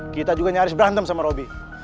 kita juga nyaris berantem sama roby